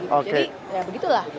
jadi ya begitulah